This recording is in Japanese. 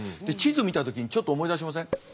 で地図見た時にちょっと思い出しません？